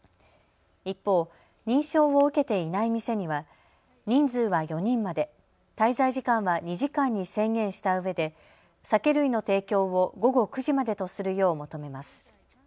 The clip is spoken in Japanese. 一方、認証を受けていない店には人数は４人まで、滞在時間は２時間に制限したうえで酒類の提供を午後９時までとするよう求めます。